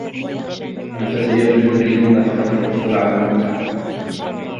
الفتيات يريدون فقط الحصول على المتعة.